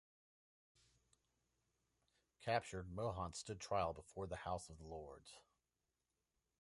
Captured, Mohun stood trial before the House of Lords.